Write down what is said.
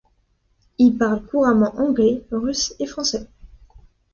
Il parle couramment Anglais, Russe et Français.